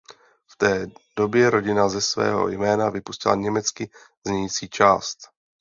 V té době rodina ze svého jména vypustila německy znějící část.